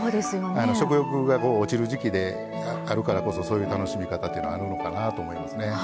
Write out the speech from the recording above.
食欲が落ちる時季であるからこそそういう楽しみ方というのはあるのかなと思いますね。